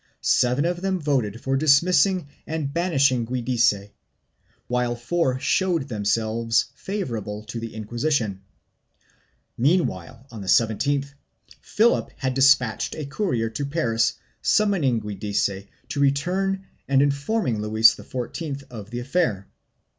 Seven of them voted for dismissing and banishing Giudice, while four showed themselves favorable to the Inquisi tion. Meanwhile, on the 17th, Philip had despatched a courier to Paris summoning Giudice to return and informing Louis XIV of the affair.